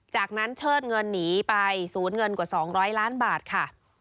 จากนั้นเชิดเงินหนีไปศูนย์เงินกว่า๒๐๐ล้านบาทค่ะ